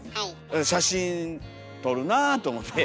写真撮るなあと思って。